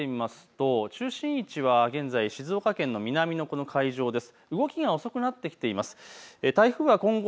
台風の最新情報を見てみますと中心地は現在、静岡県の南の海上です。